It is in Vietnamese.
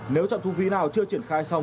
nếu trạm thu phí nào chưa triển khai xong